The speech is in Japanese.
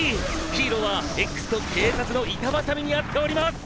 ヒーローはＸと警察の板挟みにあっております！」